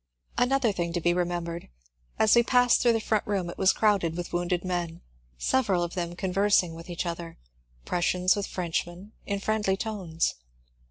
Another thing to be remembered : as we passed through the front room it was crowded with wounded men, several of them conversing with each other, Prussians with Frenchmen, in friendly tones.